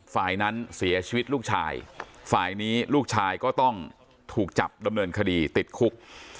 ฝ่ายนั้นเสียชีวิตลูกชายฝ่ายนี้ลูกชายก็ต้องถูกจับดำเนินคดีติดคุก